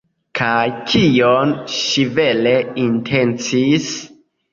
Kaj kion ŝi vere intencis?